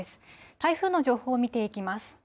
台風の情報を見ていきます。